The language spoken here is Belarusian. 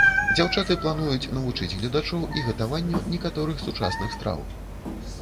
Дзяўчаты плануюць навучыць гледачоў і гатаванню некаторых сучасных страў.